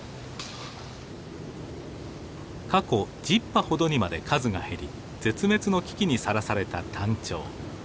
過去１０羽ほどにまで数が減り絶滅の危機にさらされたタンチョウ。